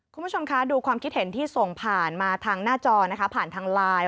คุณผู้ชมคะดูความคิดเห็นที่ส่งผ่านมาทางหน้าจอนะคะผ่านทางไลน์